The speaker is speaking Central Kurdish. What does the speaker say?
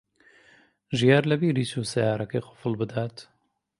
ژیار لەبیری چوو سەیارەکەی قوفڵ بدات.